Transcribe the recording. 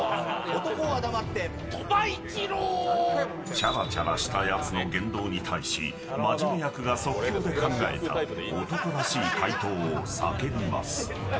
ちゃらチャラしたやつの言動に対してまじめ役が即興で考えた男らしい回答を叫びます。